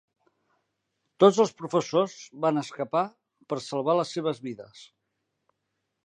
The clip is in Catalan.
Tots els professors van escapar per salvar les seves vides.